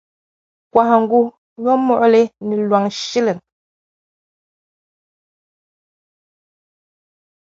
Kɔhiŋgu, nyɔmuɣili ni lɔŋshiliŋ.